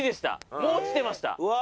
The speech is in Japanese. もう落ちてました。